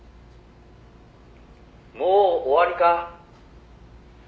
「もう終わりか？」